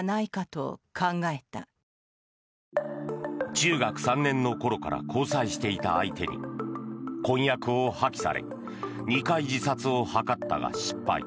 中学３年の頃から交際していた相手に婚約を破棄され２回自殺を図ったが失敗。